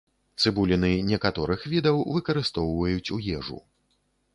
Цыбуліны некаторых відаў выкарыстоўваюць у ежу.